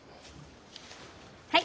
はい。